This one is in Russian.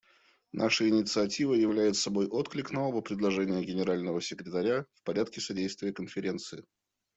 Наша инициатива являет собой отклик на оба предложения Генерального секретаря в порядке содействия Конференции.